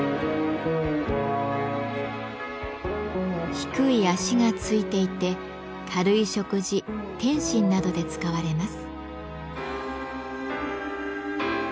低い脚が付いていて軽い食事点心などで使われます。